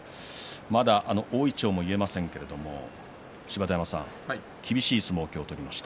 まだ大いちょうも結えませんけれども芝田山さん、厳しい相撲を今日取りました。